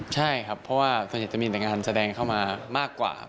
ใช่ครับเพราะว่าส่วนใหญ่จะมีแต่งานแสดงเข้ามามากกว่า